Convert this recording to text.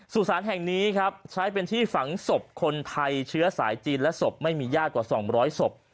สุสานแห่งนี้ครับใช้เป็นที่ฝังศพคนไทยเชื้อสายจีนและศพไม่มีญาติกว่า๒๐๐ศพ